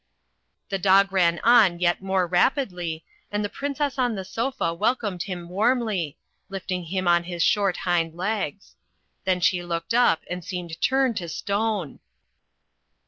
The dog ran on yet more rapidly, and the princess on the sofa welcomed him warmly, lifting him on his short hind legs. Then she looked up, and seemed turned to stone.